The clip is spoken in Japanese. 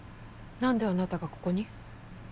なんであなたがここに？